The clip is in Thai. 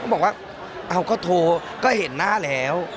บอกว่าเอาก็โทรก็เห็นหน้าแล้ว